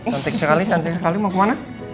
cantik sekali cantik sekali mau kemana